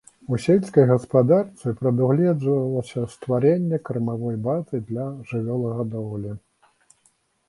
У сельскай гаспадарцы прадугледжвалася стварэнне кармавой базы для жывёлагадоўлі.